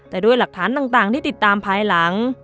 แต่ด้วยหลักฐานต่างที่ติดตามภายหลัง